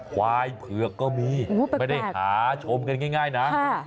ควายเผือกก็มีไม่ได้หาชมกันง่ายนะ